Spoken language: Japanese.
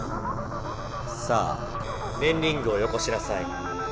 さあねんリングをよこしなさい！